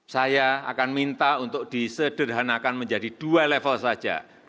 saya akan minta untuk disederhanakan menjadi dua level saja